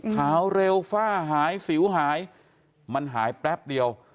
ขาวเร็วฝ้าหายสิวหายมันหายแป๊บเดียว